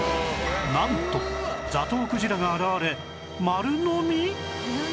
なんとザトウクジラが現れ丸のみ？